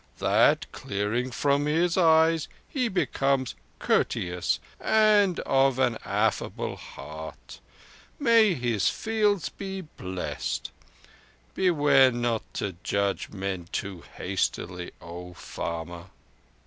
That clearing from his eyes, he becomes courteous and of an affable heart. May his fields be blessed! Beware not to judge men too hastily, O farmer."